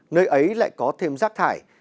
nơi ấy lại có thêm rác thải